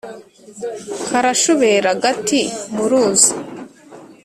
Karashubera-Agati mu ruzi.